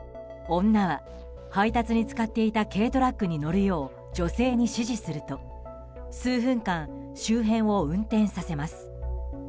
女は配達に使っていた軽トラックに乗るよう女性に指示すると数分間、周辺を運転させます。